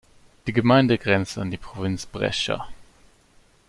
Die Gemeinde grenzt an die Provinz Brescia.